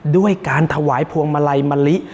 ด้วยการถวายพวงมาลัยมะลิ